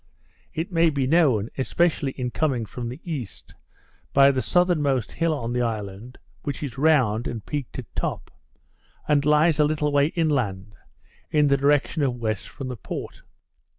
It may be known, especially in coming from the east, by the southernmost hill on the island, which is round, and peaked at top; and lies a little way inland, in the direction of west from the port.